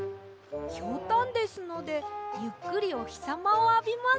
ひょうたんですのでゆっくりおひさまをあびます。